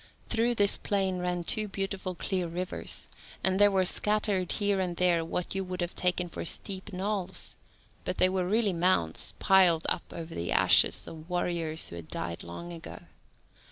Through this plain ran two beautiful clear rivers, and there were scattered here and there what you would have taken for steep knolls, but they were really mounds piled up over the ashes of warriors who had died long ago.